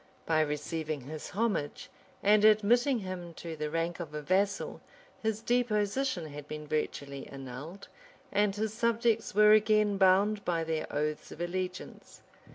By receiving his homage, and admitting him to the rank of a vassal, his deposition had been virtually annulled, and his subjects were again bound by their oaths of allegiance.